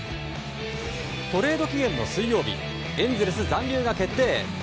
トレード期限の水曜日エンゼルス残留が決定。